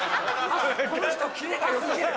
この人キレが良過ぎる。